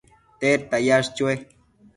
tedta yash chue?